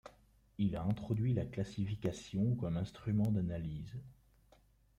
Il a introduit la classification comme instrument d’analyse.